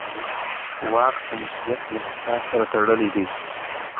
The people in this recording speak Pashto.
واک د مسوولیت له احساس سره تړلی دی.